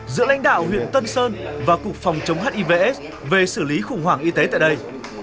giữa lãnh đạo huyện tân sơn và cục phòng chống hivs về xử lý khủng hoảng y tế tại đây